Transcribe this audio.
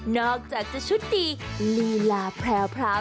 อกจากจะชุดดีลีลาแพรว